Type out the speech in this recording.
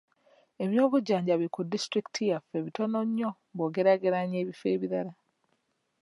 Ebyobujjanjabi ku disitulikiti yaffe bitono nnyo bw'ogeraageranya ebifo ebirala.